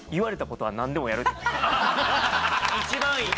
・一番いい。